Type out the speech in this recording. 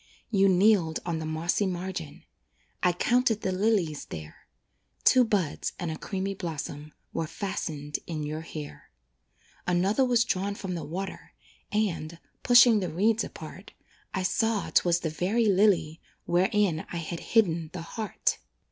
You kneeled on the mossy margin I counted the lilies there; Two buds and a creamy blossom Were fastened in your hair. Another was drawn from the water, And, pushing the reeds apart, I saw 'twas the very lily Wherein I had hidden the heart.